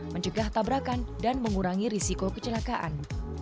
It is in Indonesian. mencegah tabrakan dan mengurangi risiko kecelakaan